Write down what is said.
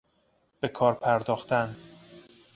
به کار پرداختن